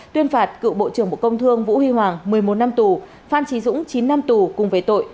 tuyên phạt cựu bộ trưởng bộ công thương vũ huy hoàng một mươi một năm tù phan trí dũng chín năm tù cùng về tội